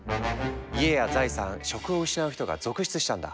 家や財産職を失う人が続出したんだ。